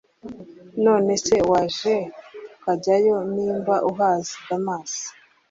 nonese waje tukajyayo nimba uhazi damas!